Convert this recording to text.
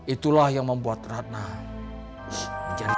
itulah yang membuat ratnah menjadi